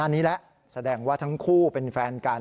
อันนี้แหละแสดงว่าทั้งคู่เป็นแฟนกัน